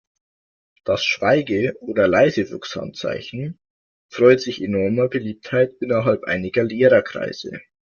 Das Schweige- oder Leisefuchs-Handzeichen freut sich enormer Beliebtheit innerhalb einiger Lehrer-Kreise.